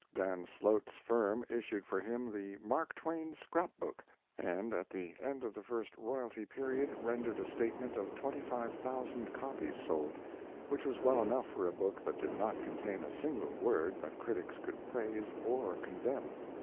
Dan Slote's firm issued for him the Mark Twain Scrap book, and at the end of the first royalty period rendered a statement of twenty five thousand copies sold, which was well enough for a book that did not contain a single word that critics could praise or condemn.